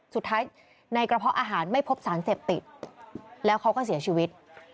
สุดท้ายในกระเพาะอาหารไม่พบสารเสพติดแล้วเขาก็เสียชีวิต